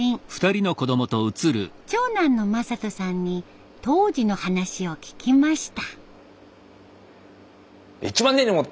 長男の正人さんに当時の話を聞きました。